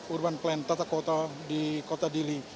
urban plan tata kota di kota dili